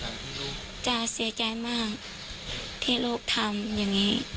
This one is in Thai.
จ้าเสียใจมากที่ลูกทำอย่างนี้